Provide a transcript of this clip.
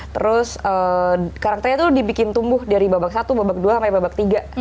terus karakternya tuh dibikin tumbuh dari babak satu babak dua sampai babak tiga